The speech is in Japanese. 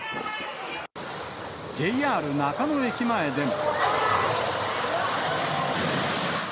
ＪＲ中野駅前でも。